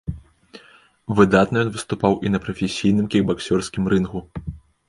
Выдатна ён выступаў і на прафесійным кікбаксёрскім рынгу.